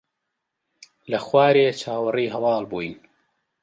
لە خوارێ چاوەڕێی هەواڵ بووین.